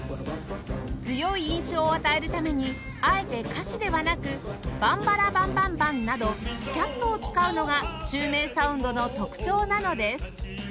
強い印象を与えるためにあえて歌詞ではなく「バンバラバンバンバン」などスキャットを使うのが宙明サウンドの特徴なのです